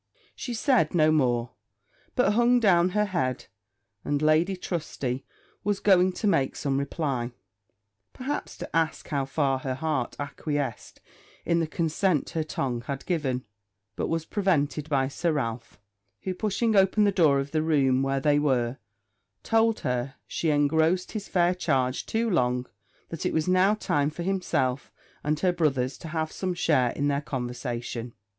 She said no more, but hung down her head, and Lady Trusty was going to make some reply perhaps to ask how far her heart acquiesced in the consent her tongue had given but was prevented by Sir Ralph, who, pushing open the door of the room where they were, told her she engrossed his fair charge too long that it was now time for himself and her brothers to have some share in their conversation.